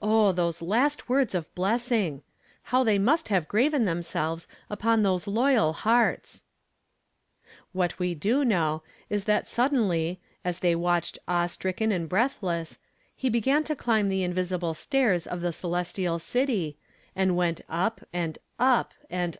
Oh, those last words of blessing f How they must have graven themselves upon those loyal hearts !^ What we do know, is that suddenly, as they watched awe stricken and breathless, he began to chmb the invisible staii^ of the celestial city, and went up and u, and